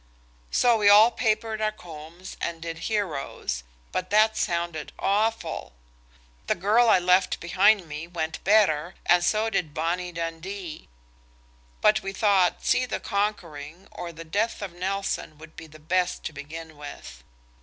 So we all papered our combs and did "Heroes," but that sounded awful. "The Girl I Left Behind Me" went better and so did "Bonnie Dundee." But we thought "See the Conquering" or "The Death of Nelson" would be the best to begin with.